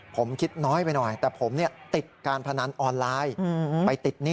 ผมคิดน้อยไปหน่อยแต่ผมเนี่ยติดการพนันออนไลน์